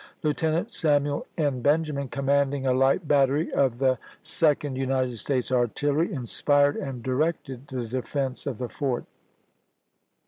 Lieutenant Samuel N. Benjamin, commanding a light battery of the Sec ond United States Artillery, inspired and directed the defense of the fort.